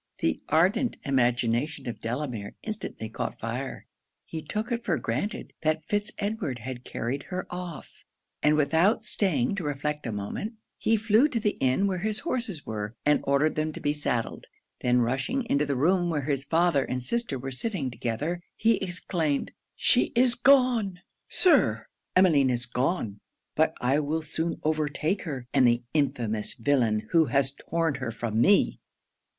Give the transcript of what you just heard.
The ardent imagination of Delamere instantly caught fire. He took it for granted that Fitz Edward had carried her off: and without staying to reflect a moment, he flew to the inn where his horses were, and ordered them to be saddled; then rushing into the room where his father and sister were sitting together, he exclaimed 'she is gone, Sir Emmeline is gone! but I will soon overtake her; and the infamous villain who has torn her from me!'